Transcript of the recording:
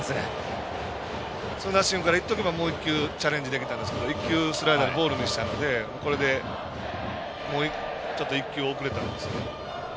ツーナッシングからいっとけばもう１球チャレンジできたんですが１球、スライダーでボールでしたのでこれでもう１球おくれたんですね。